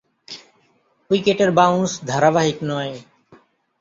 উইকেটের বাউন্স ধারাবাহিক নয়।